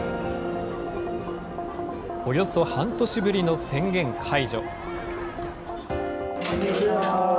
およそ半年ぶりの宣言解除。